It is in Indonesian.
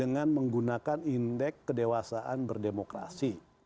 dengan menggunakan indeks kedewasaan berdemokrasi